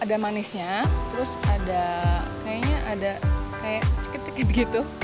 karena ada manisnya terus ada kayaknya ada kayak cikit cikit gitu